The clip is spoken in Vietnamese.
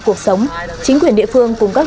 cuộc sống chính quyền địa phương cùng các